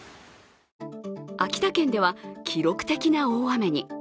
秋田県では記録的な大雨に。